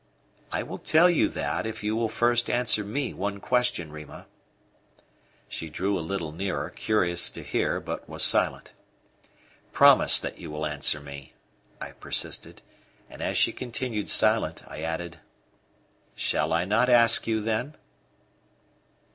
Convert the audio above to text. "I will tell you that if you will first answer me one question, Rima." She drew a little nearer, curious to hear, but was silent. "Promise that you will answer me," I persisted, and as she continued silent, I added: "Shall I not ask you, then?"